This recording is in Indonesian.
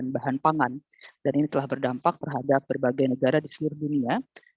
bahan pangan dan ini telah berdampak terhadap berbagai negara di seluruh dunia